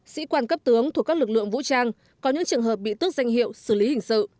sĩ quan cấp tướng thuộc các lực lượng vũ trang có những trường hợp bị tước danh hiệu xử lý hình sự